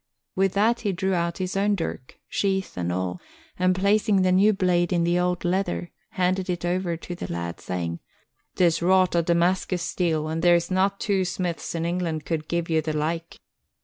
With that he drew out his dirk, sheath and all, and placing the new blade in the old leather, handed it to the lad, saying, "'Tis wrought o' Damascus steel and there's not twa smiths in England could gi'e ye the like."